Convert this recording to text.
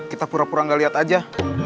kita pura pura gak lihat aja